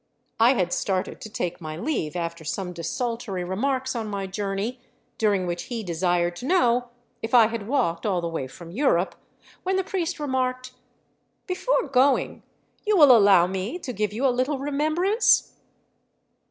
I had started to take my leave after some desultory remarks on my journey, during which he desired to know if I had walked all the way from Europe, when the priest ^^remarked : l^k " Before going you will allow me to give you a little remembrance